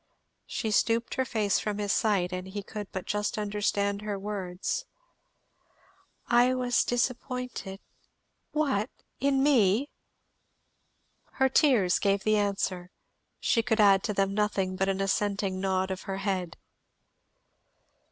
She stooped her face from his sight and he could but just understand her words. "I was disappointed " "What, in me!" Her tears gave the answer; she could add to them nothing but an assenting nod of her head.